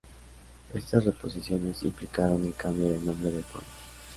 Estas reposiciones implicaron el cambio del nombre del programa.